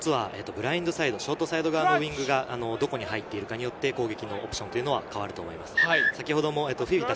一つはブラインドサイド、ショートサイド側のウイングがどこに入っているかによって攻撃のオプションが変わると思います。